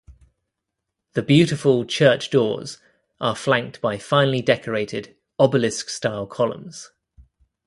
The beautiful church doors are flanked by finely decorated obelisk style columns.